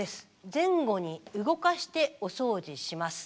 「前後に動かしてお掃除します。